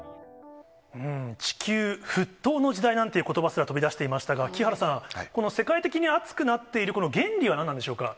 地球沸騰の時代なんていうことばすら飛びだしていましたが、木原さん、この世界的に暑くなっている、この原理は何なんでしょうか。